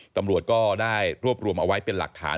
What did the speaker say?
ตำรวจก็ได้รวบรวมเอาไว้เป็นหลักฐาน